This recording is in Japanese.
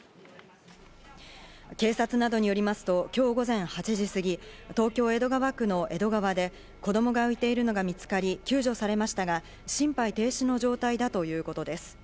警察などによりますと、今日午前８時すぎ、今日、江戸川区の江戸川で子供が浮いているのが見つかり救助されましたが、心肺停止の状態だということです。